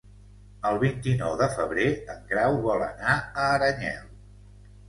El vint-i-nou de febrer en Grau vol anar a Aranyel.